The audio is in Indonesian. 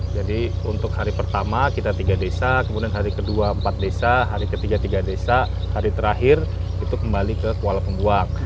jadi untuk hari pertama kita tiga desa kemudian hari kedua empat desa hari ketiga tiga desa hari terakhir itu kembali ke kuala pembuang